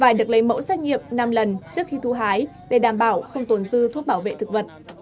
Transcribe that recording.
phải được lấy mẫu xét nghiệm năm lần trước khi thu hái để đảm bảo không tồn dư thuốc bảo vệ thực vật